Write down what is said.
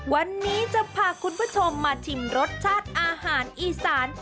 วันนี้จะพาคุณผู้ชมมาชิมรสชาติอาหารอีสาน